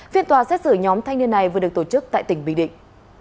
phiên tòa xét xử nhóm thanh niên này vừa được tổ chức tại tỉnh bình định